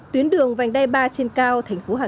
tuyến đường vành đai ba trên cao thành phố hà nội